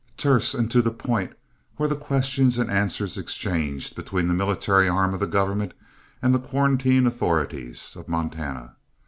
Terse and to the point were the questions and answers exchanged between the military arm of the government and the quarantine authorities of Montana.